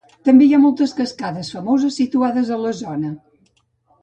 També hi ha moltes cascades famoses situades a la zona.